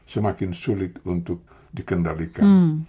semakin sulit untuk dikendalikan